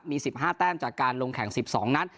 มี๑๕แต้มจากการลงแข่ง๑๒นัด